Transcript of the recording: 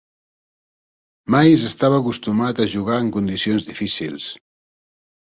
Mays estava acostumat a jugar en condicions difícils.